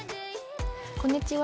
こんにちは。